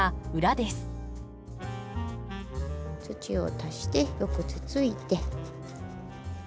土を足してよくつついて。